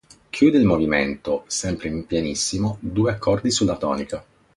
Chiude il movimento, sempre in pianissimo, due accordi sulla tonica.